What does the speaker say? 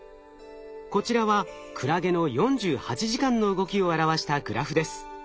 こちらはクラゲの４８時間の動きを表したグラフです。